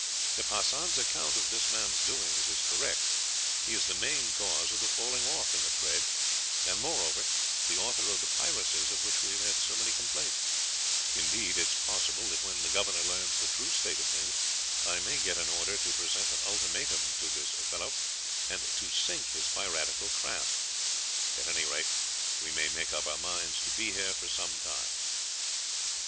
If Hassan's account of this man's doings is correct, he is the main cause of the falling off in the trade, and, moreover, the author of the piracies of which we have had so many complaints; indeed, it is possible that when the Governor learns the true state of things, I may get an order to present an ultimatum to this fellow and to sink his piratical craft. At any rate, we may make up our minds to be here for some time."